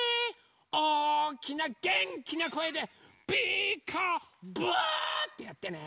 おおきなげんきなこえで「ピーカーブ！」っていってね。